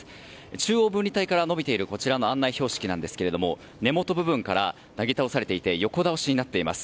中央分離帯から伸びている案内標識ですが根元からなぎ倒されて横倒しになっています。